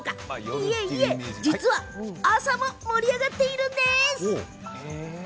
いえいえ実は朝も盛り上がっているんです。